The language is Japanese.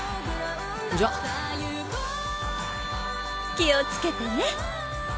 気を付けてね。